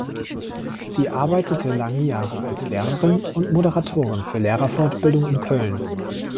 Sie arbeitete lange Jahre als Lehrerin und Moderatorin für Lehrerfortbildung in Köln.